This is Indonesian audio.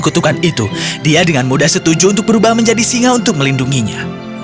dan mengikutukan itu dia dengan mudah setuju untuk berubah menjadi singa untuk melindunginya